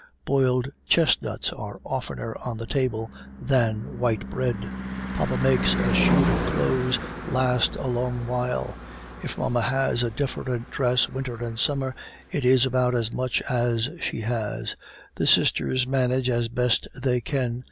Boiled chestnuts are oftener on the table than white bread. Papa makes a suit of clothes last a long while; if mamma has a different dress winter and summer, it is about as much as she has; the sisters manage as best they can.